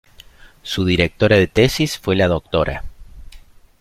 Su directora de tesis fue la Dra.